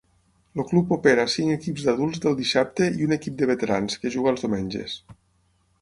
El club opera cinc equips d'adults del dissabte i un equip de veterans, que juga els diumenges.